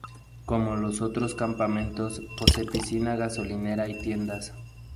Como los otros campamentos, posee piscina, gasolinera y tiendas.